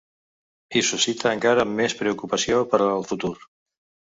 I suscita encara més preocupació per al futur.